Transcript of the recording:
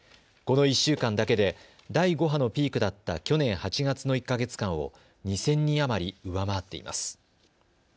この１週間だけで第５波のピークだった去年８月の１か月間を２０００人余り上回っています。